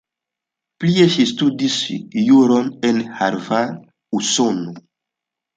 Plie ŝi studis juron en Harvard, Usono.